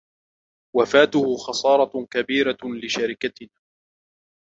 وفاته خسارة كبيرة لشركتنا.